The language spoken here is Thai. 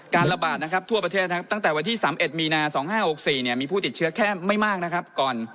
การระบาดทั่วประเทศครับตั้งแต่วันที่๓๑๗๕๖๔มีผู้ติดเชื้อแค่ไม่มากนะครับก่อน